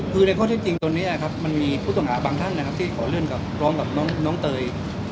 คือในข้อที่จริงตอนนี้มันมีผู้ส่งหาบางท่านที่ขอเรื่องร้องกับน้องเตย